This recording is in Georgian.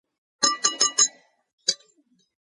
განსაკუთრებით ნაყოფიერი იყო ბერნინი, როგორც მოქანდაკე.